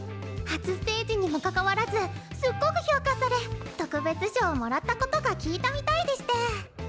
初ステージにもかかわらずすっごく評価され特別賞をもらったことが効いたみたいでして。